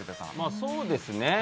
そうですね。